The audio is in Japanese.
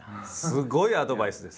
すごいアドバイスで。